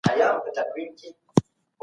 زه هره ورځ کور پاکوم.